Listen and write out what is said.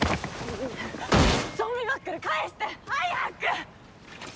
ゾンビバックル返して！早く！